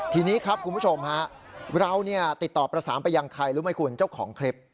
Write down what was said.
ทีนี้ครับคุณผู้ชมฮะเราติดต่อประสานไปยังใครรู้ไหมคุณเจ้าของคลิป